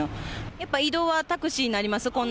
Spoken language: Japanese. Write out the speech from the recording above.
やっぱ移動はタクシーになります？